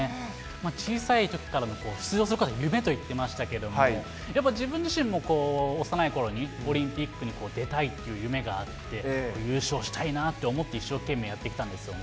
小さいときから出場するのが夢といってましたけど、やっぱ自分自身も幼いころに、オリンピックに出たいという夢があって、優勝したいなって思って一生懸命やってきたんですよね。